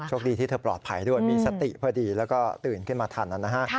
คดีที่เธอปลอดภัยด้วยมีสติพอดีแล้วก็ตื่นขึ้นมาทันนะฮะ